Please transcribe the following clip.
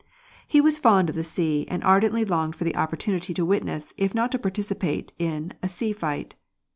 He was fond of the sea, and ardently longed for the opportunity to witness, if not to participate in, a sea fight.